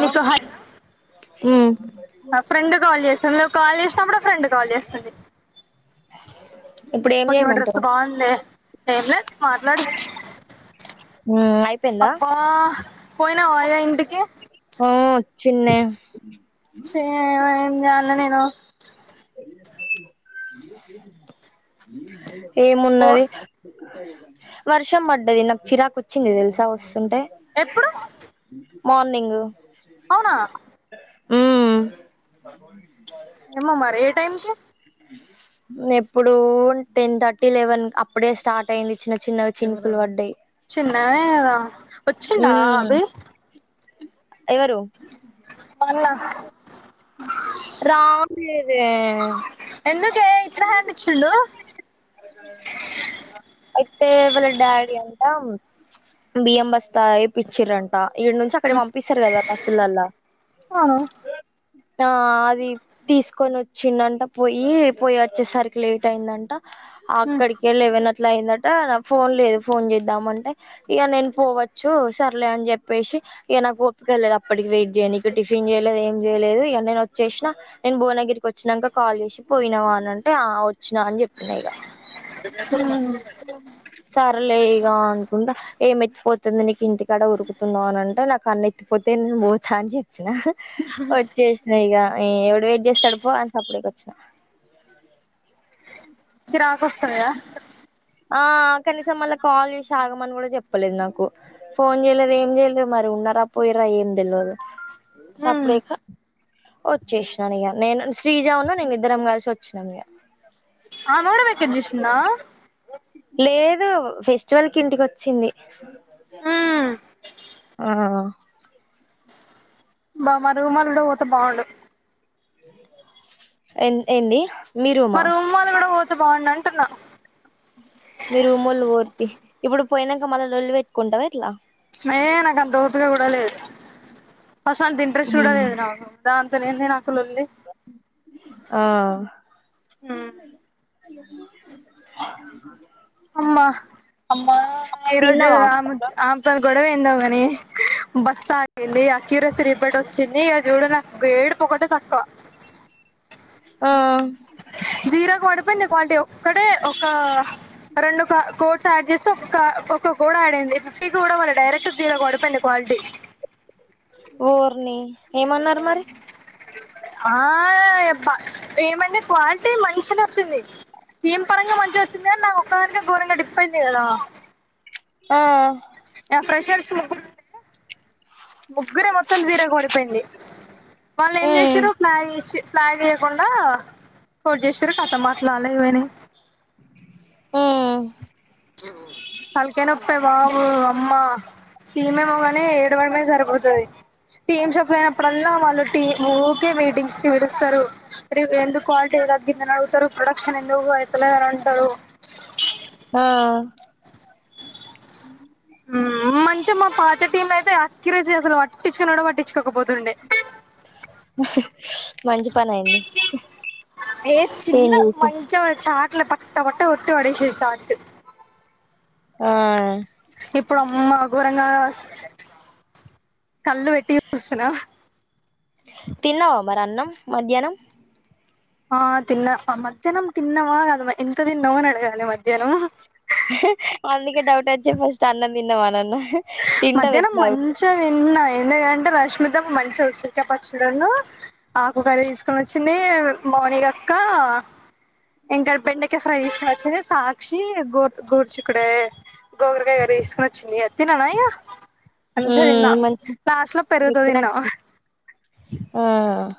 మీకు హై ఉ friend call చేస్తంది నువ్వు కాల్ చేసినప్పుడు ఫ్రెండ్ కాల్ చేస్తుంది ఇప్పుడు ఏం ఒకె డ్రస్ చేయమంటావు బావుందెఏం లేదు మాట్లాడు ఉమ్ అయిపోయిందా అబ్బాపోయినా వయఇంటికి ఆ వచ్చిన్నే చ ఆమె చేయాలి నేను ఓ ఏమున్నది వర్షం పడ్డది నాకు చిరాకు వచ్చింది తెలుసా ఒస్ ఎప్పుడు మార్నింగ్ అవునా ఉమ్ మ్ మరి ఏ టైమ్ కి ఎప్పుడు టెన్ థర్టీ లెవెన్ అప్పుడే స్టార్ట్ అయింది చిన్న చిన్నగచి చినుకులు పడ్డాయ్ చిన్న గనే కదా వచ్చిండా ఉమ్ అబి ఎవరు అన్న రావట్లెదె ఎందుకే ఇట్లా హ్యాండ్ ఇచ్చిండు అయితెవాళ్ల డాడి అంట బియంబస్తాఎపిచ్చిరంట ఇడనుంచి అక్కడి పంపిస్తారు కదా బస్సు లల్లా అవును ఆ అది తీసుకొని వచ్చిండంట పోయి పోయి వచ్చేసరికి లేట్ అయిందంట ఉమ్, అక్కడికిలేవన అట్లా అయిందట ఫోన్ లేదు ఫోన్ చేద్దామంటే ఇక నేను పోవచ్చు సర్లే అని చెప్పేసి ఇగ, నాకు, ఒపిక, లేదు అప్పటికి వెయిట్‌ జేయనికి టిఫిన్ చేయలేదు ఏం చేయలేదు ఇగవచ్చేసినా నేను భువనగిరికి వచ్చినంక కాల్ చేసి పోయి పోయినవా అనింటే అ అవచ్చినా అని చెప్పిన ఇగ హ సరలే ఇగా అనుకుంటా ఏంమెత్తిపోతుంది నీకు ఇంటికాడ ఉరుకుతున్నావ్ అని అంటే నాకు అన్న ఎత్తిపోతే పోతా అని చెప్పిన అహవచ్చే సిన సైగా ఎవడు వెయిట్ చేస్తాడు పో అని సప్ డిగ వ చ్చిన చిరాకు వస్తది గద ఆ కనీసం మళ్ళా కాల్ చేసి ఆగమని కూడా చెప్పలేదు నాకు ఫోన్ చేయలేదు ఏం చేయలేదు మరి ఉ న్నార పోయిరా ఏమి తెల్వదుసపు ఉమ్. అనే వచ్చేసినాను ఇగ నేను శ్రీజా నును నేను ఇద్దరం కలిసివచ్చినం, ఇగ అ ముడ వికట్‌ చూసిన్నా లేదు ఫెస్టివల్ కి ఇంటికి వచ్చింది ఉమ్, ఆ బమా రూమ్. లోతోపోతే బావుండు ఎన్ ఏంది మీ మా రూమా రూమ్ వాళ్ళుకూడా పోతెబావున్నం టున్న మీ. రుమోళ్ళు పోర్తి తీఇప్పుడు పోయినంక మళ్ళ లొల్లిపెట్టుకుంటావా ఎట్ల నాక అంత ఊతుగా కూడ లేదు ఫస్ట్ అంత ఇంట్రెస్ట్ చూ లేదు నాకు దాంతనేంది నాకు లొల్లి ఆ అమ్మా అమ్మా ఈరోజు తిన్నవా ఆమె ఆమ్ త గొడవందని బస్ ఆంది ఆ క్యూరసరి ఇబటి వచ్చింది ఇక చూడు నాకు ఏడుపుక్కటే తక్కువ ఆ జీరో పడిపోయింది కాలటీ ఒక్కడే ఒక రెండు కోట్ చార్జెస్ ఒక ఒక కూడా ఆడడి ఫిఫ్టీ కూడా మళ్ళ డైరెక్ట్ దీలోడిపండి క్వాలిటీ ఊర్ని ఏమన్నారు మరి ఆబ ఏమనా క్లటీ మంచి వచ్చింది ఏం పరంగా మంచిగా వచ్చింది కదా నా ఒక్కదాక ఘోరంగా డిపోయింది కదా ఆ ఫ్రెషర్స్ ముగ్గురే మొత్తం జీర కొడిపోయింది వాళ్ళు ఏం ఉమ్ చేశారు ఒక మ్యారేజ్ ప్లాన్ చేయకుండా చోటు చేస్తారు కథ మాట్లాడాలవనా ఆ హల్కే నొప్పే బాబు అమ్మ సీమే మగానే ఏడవడమే సరిపోతుది టీమ్ షప్ అయినప్పుడల్ వాళ్ళు టీ ఊకే మీటింగ్స్ కి విడుస్తారురి ఎందుకు కాల అ్గింద నడుగుతారు ప్రొక్షన్ ఎందువుతల న అతాడు ఆా మంచిగా మా పాత టీం అయితే అకిరేసి అసలు పట్టించుకనిడం పట్టించుకోకపోతుండే మంచి పని అయిడి ఏ చిన్న మంచి చార్ట్ల పక్క పట్ట ఒట్ పడస చార్ట్స్ ఆ ఇప్పుడు అమ్మ ఒకరంగా కళ్ళు పెట్టి చూస్తున్నా తిన్నావా మరి అన్నం మధ్యాహ్నం ఆ తిన్న మధ్యాహ్నం తిన్నవా అదమా ఇంత ది నవ న అడిగాలి మధ్యాహ్నం అందుకే డౌట్ వచ్చి ఫస్ట్ అన్నం తిన్న మనన్న మధ్యాహ్నం మంచా ఎన్న ఎందుంటే రష్మిద మంచి వస్తుందికా పచ్చు ఆకుకాయ తీసుకొని వచ్చింది కోనిగక్కా ఇం గడ బెండకే ఫ్రైసుక వచ్చిది సాక్షి గో గోర్చు కూడాడ గోగరకాయ గారు వేసుకుని వచ్చింది అత్తిననాయ మంచిదిిన్నా ఉమ్ మంచి లాస్ట్ లో పెరుగుతు తిన్నా ఎక్కినట్టు ఆ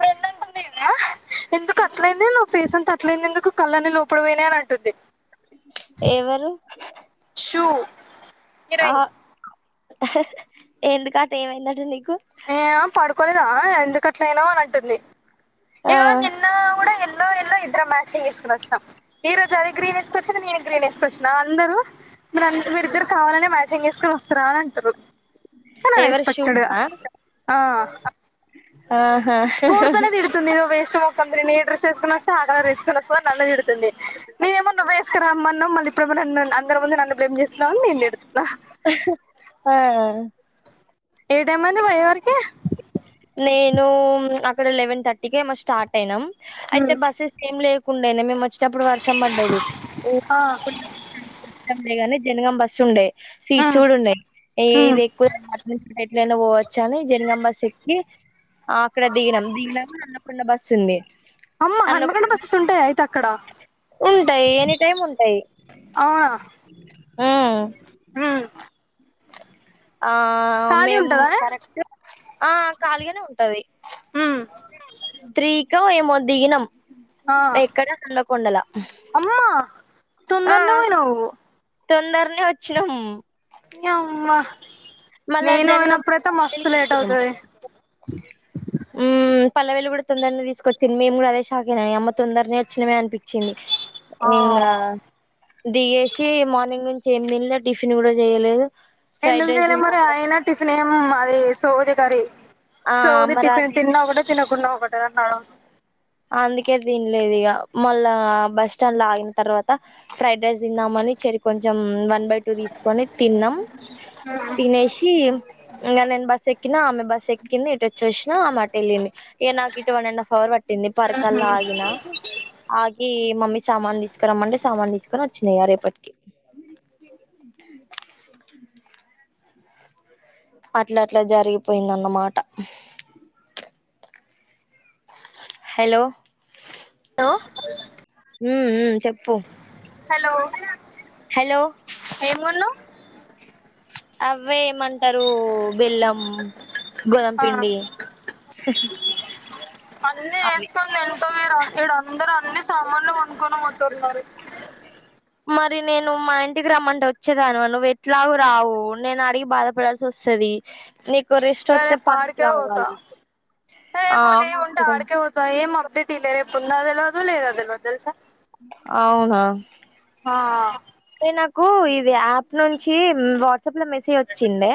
ఫ్రెండ్ అంటుంది కదా ఎందుకు అట్లైంది నువ్ ఫేస్ అంత అట్లంది ఎందుకు కళ్ళని లోపడ పోనా అని అంటుంది ఎవరు చూ ఇరై ఎందుకు అట ఏమైందటటు నీకు ఏ పడుకోలేదా ఎందుకట్లనో అని అంటుంది ఆ ఎ ఇద్దరు మ్యాచింగ్ వసుకొని వచ్చినం ఈ రోజు అది గ్రీన్ వేసుకొచ్చది నేను గ్రీన్ వసుకొచ్చినా అందరు మీరుంత మీరిద్దరు కావాలనే మ్యాచింగ్ వేసుకొని వస్తార అని అంటారు కానీ ఎవరు శుభ అన్ఎక్స్పెక్టెడ్ గా నా ఆ ఆహా పూడుతునే తరుతుందిద వేస్ట్ మంద న వేడుతుంది నేమోసు ఇప్పున్న అందరి ముందు నన్న ప్రేమ్ చేస్తున్నానునిే న ఆ ఏ టైమ్ అంది పోయేవరికి నేను అక్కడ లెవెన్ థర్టీ క స్టార్ట్ అయినాం అయితే ఉమ్ బస్సెస్ ఏం లే కుండేనే మేము వచ్చినప్పుడు వర్షం ఆ పడ్డదికుండ ని జనం బస్సు ఉండ్ సీట్స్ ఉమ్ కూడా ఉన్నా్ ఉమ్ ఇది ఎక్కువ పోవచ్చ అని జనిగాం బస్ ఎక్కి అక్కడ దిినం దగినగా అన్నకున్న బస్ సిున్ని అమ్మ హన్మగండ బస్సస్ ఉంటాయి అయితే అక్కడ ఉంటాయి ఎనీ టైమ్ ఉంటాయి హ ఆ మేము ఉంటదానే కరెక్ట్గా ఆ ఖాళీగానే ఉంటుంది ఉమ్ త్రీకా ఏమో దిగినం ఆ ఎక్కడ హన్మకొండల అమ్మా ఆ సుందర నువన తొందరనే వచ్చినాం నీ అమ్మ మళ్ళా నేను జనగామ్మ్ పోయినప్పుడైతే మస్తు లేట్ అవుతది ఉ పల్లవెలు కూడా తొందరని తీసుకొచ్చింది మేము కూడా అదే షా అయినాని అమ్మ తొందరనే వచ్చినవిే అనిపించింది ఆ ఇంకా దిగేసి మార్నింగ్ నుంచి ఏమి తిన్లా టిఫిన్ కూడా చేయలేదు ఫ్రైడ్ ఎందుకు రైస్ తిన్ల మరి తిన్నాము అయినా టిఫినం అది సౌది కర్రీ ఆ సోది అమ్మ టిఫిన్ రాలే తిన్నా ఒకటే తినకుండా ఒకటేన్నా అందుకే తన్లేదు ఇక మళ్ళా బస్ స్టాండ్ లో ఆగిన తర్వాత ఫ్రైడ్ రైస్ తిందామ చెరి కొంచెం వన్ బై టూ తీసుకొని తిన్నాం తినేసి ఇంకా నేను బస్ ఎక్కినా ఆమె బస్ ఎక్కింది ఇటు వచ్చేసిన ఆమె అటు వెళ్ళింది ఇక నాకు ఇటు వన్ అండ్ హఫ్ పర్కలా ఆగిన ఆగి మమ్మీ సామాన్ తీసుకునిమ్మంటే సామాన్లు తీసుకొని వచ్చినా ఇగ రేపటికి అట్లా అట్లా జరిగిపోయిందన్నమాట హలో ఆ ఉమ్ ఉమ్ చెప్పు హలో హలో ఏం కొన్నావ్ అవే మ అంటారు బెల్లం గోదామ ఆ పిండి అన్నీ అవి వేసుకని ఎంటో వేరు ఏడ అందరూ అన్ని సామాన్లు కొనుక్కొనిపోతున్నారు మరి నేను మా ఇంటికి రమ్మంటే వచ్చేదానుమా నువ్వు ఎట్లాగ రావు నేను అడిగి బాధపడాల్సి వస్తుంది నీకు టెస్ట్ వస్తి పక్క కావాలి అరే బోలే ఉండు ఆదికి పోత ఏం అప్డేట్ ఇవ్వాలా రేపు ఉండదో అద లేద తెల్వదు తెలుసా అవునా ఆ నా ఇది యాప్ నుంచి లో మెసేజ్ వచ్చిందే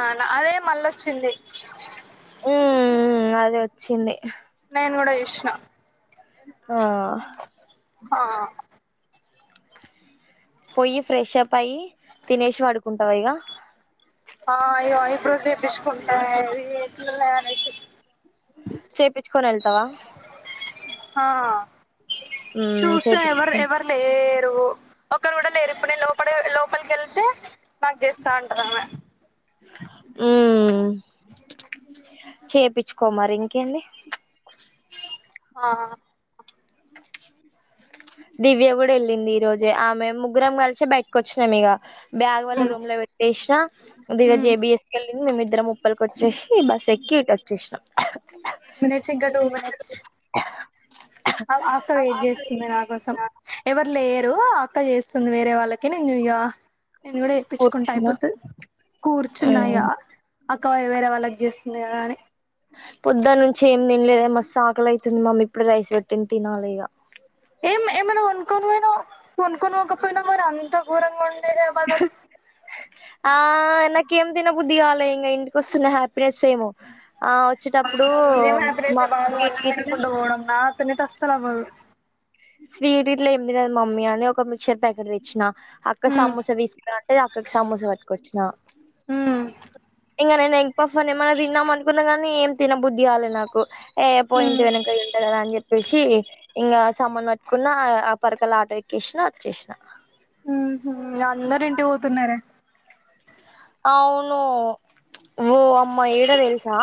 ఆ అదే మళ్ళొచ్చింది ఉమ్ అది వచ్చింది నేను కూడా చూస్న ఆ ఆ పోయి ఫ్రెషప్ అయ్య తినేసి పడుకుంటావ ఇక ఆ అయ్యో ఇప్పుడు చేయిపించుకుంట అనే చేయిచ్చుకొని వెళ్తావా ఆ ఉమ్ చూసా ఎవరు చేపిచ్చుకో ఎవరు లేరు ఒకరు కూడా లేరు ఇప్పుడు నే లోపల లోపలికి వెళ్తే మాకు చేస్తా ఉంటారామా ఉమ్ చేపించుకో మరి ఇంకేంటి ఆ దివ్య కూడా వెళ్ళింది ఈ రోజు ఆమె ముగ్గురం కలిసి బయటకొచ్చినాం ఇగ బ్యాగ్ వళ్ల రూమ్ లో పెట్టేసినా ఉమ్ జేబిఎస్కె మేమిద్దరం వుప్పలకి వచ్చేసి బస్ ఎక్కి ఇ వచ్చేసినాం ఎయిట్ మినిట్స్ ఇంకా టూ మినిట్స్ ఆక్క వెయిట్ చేస్తుంది ఆ కోసం ఎవరు లేరు అక్క చేస్తుంది వేరే వాళ్ళకి నేను చేయ నేను కూడా ఏప్పించుకుంటా కూర్చున్నా అయిపోతాది కూర్చున్నా ఉమ్ ఇగ అక్క వేరే వాళ్ళకి చేస్త ఉంది కదా అనీ పొద్దున్న నుంచి ఏం తినలేద మస్తు ఆకలి అవుతుంది మమ్మీ ఇప్పుడు రైస్ పెట్టింది తినాలి ఇక ఏం ఏమైనా కొనుక్కొని పోయినా కొనుక్కనికపోయినా మరి అంత ఘరంగా ఉ ఆ నాకేం తినబుది గాల ఇంకా ఇంటిక వస్తున్న హ్యాపీనెస్ ఏమో ఆ వచ్చేటప్పుడు ఇదేం మామ ఇట్లా తనకి అసలు అవ్వదు స్వీట్ ఇట్లా ఏమి తినదు మమ్మీ అని ఒక మిక్సర్ ప్యాకెట్ తెచ్చిన అక్క హ్మ్ సమోసా తీసుకురా అంటే అక్కకి సమోసా పట్టుకొచ్చిన హ్మ్ [unintelligible] ఫాఫ్ ఏమైనా తిన్నాం అనుకున్నా గానీ ఏం తిన బుద్ధి కాలే నాకు ఏ పో ఇంటికి పోయినంక తింటా కదా అని చెప్పి సి ఇంకా సామాన్ పట్టుకున్న ఆ పరకలా ఆటో ఎక్కేసినా అ వచ్చేసిన ఇంగా అందరు ఇంటి కి పోతున్నారే ఆ అవును ఊ అమ్మ ఏడ తెలుసా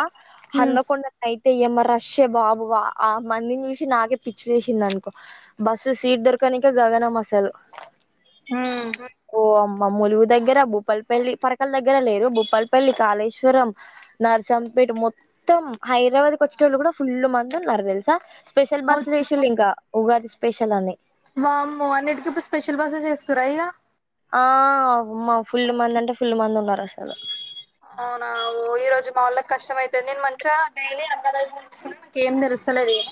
హ్మ్ హనుమకొండల అయితే ఏం మా రాష్ బాబు ఆ మందిని చూసి నాకే పిచ్చి లేసింది అనుకో బస్సు సీట్ దొరక ఎక్క నీకే గగనం అసలు హు మా ములుగు దగ్గర భూపాల్ పెళ్లి క్కల దగ్గర లేరు భూపాల్ పల్లి కాళేశ్వరం నర్సంపేట్ మొత్తం హైదరాబాద్ కి వచ్చి వచ్చేటట్లు కూడా ఫుల్ మంది ఉన్నారు తెలుసా స్పెషల్ బస్సులు ఏ అవచ్చు షిళ్ళు ఇంకా ఉగాది స్పెషల్ అని వామ్మో అన్నిటికి ఇప్పుడు స్పెషల్ బస్సెస్ ఎస్తుర్రా రా ఇగ ఆ అమ్మ ఫుల్ మంది అంటే ఫుల్ మంది ఉన్నారు అసలు అవునా ఓ ఈ రోజు మా వాళ్ళకి కష్టం అయితది నేను మంచిగా డైలీ అన్న [inaudible] నాక ఏం తెలుస్తులేదు ఇగ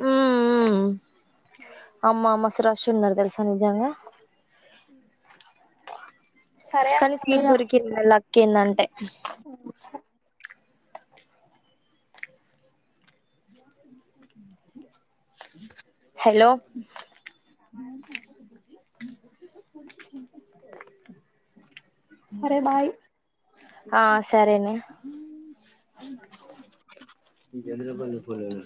హు హు అమ్మ మస్తు రాష్ ఉన్నారు తెలుసా నిజంగా ఉ కానీ సీట్ దొరికి లక్ ఏందంటే హలో సరే బాయ్ ఆ సరేనే [unintelligible]